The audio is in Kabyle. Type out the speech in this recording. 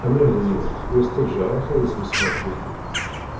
Amer d nekk, ur as-ttaǧǧaɣ ara ad yesmesxer fell-i.